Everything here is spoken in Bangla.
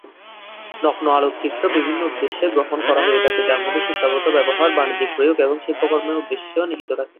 নগ্ন আলোকচিত্র বিভিন্ন উদ্দেশ্যে গ্রহণ করা হয়ে থাকে, যার মধ্যে শিক্ষাগত ব্যবহার, বাণিজ্যিক প্রয়োগ এবং শিল্পকর্মের উদ্দেশ্য নিহিত থাকে।